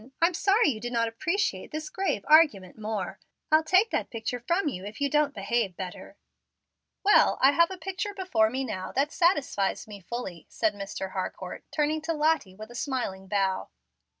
I'm sorry you do not appreciate this grave argument more; I'll take that picture from you, if you don't behave better." "Well, I have a picture before me now, that satisfies me fully," said Mr. Harcourt, turning to Lottie with a smiling bow.